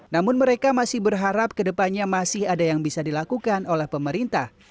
namun mereka masih berharap ke depannya masih ada yang bisa dilakukan oleh pemerintah